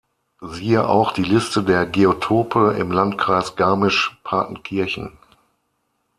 Siehe auch die Liste der Geotope im Landkreis Garmisch-Partenkirchen.